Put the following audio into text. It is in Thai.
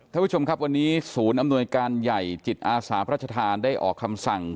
ท่านผู้ชมครับวันนี้ศูนย์อำนวยการใหญ่จิตอาสาพระชธานได้ออกคำสั่ง